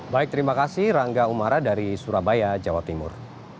baik terima kasih rangga umara dari surabaya jawa timur